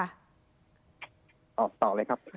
อ๋อตอบเลยครับ